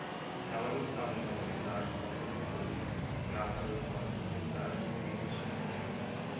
Ela gostava de vaporizar com vaporizadores, cigarros eletrônicos e usar adesivos de nicotina